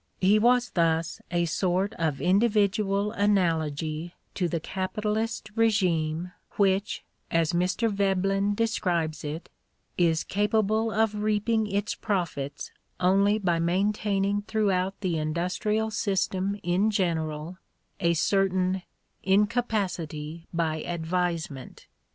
He was thus a sort of individual analogy to the capitalist regime which, as Mr. Veblen describes it, is capable of reaping its profits only by maintaining throughout the industrial system in general a certain "incapacity by advisement."